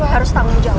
harus tanggung jawab